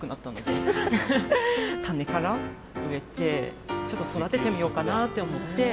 種から植えてちょっと育ててみようかなって思ってはい。